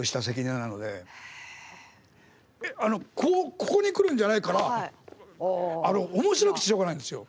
ここに来るんじゃないからおもしろくてしょうがないんですよ。